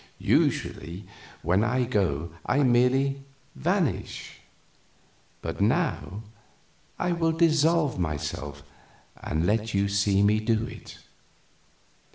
Usually when I go I merely vanish; but now I will dissolve myself and let you see me do it."